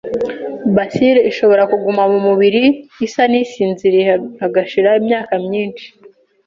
‘Bacille’ ishobora kuguma mu mubiri isa n’isinziriye hagashira imyaka myinshi.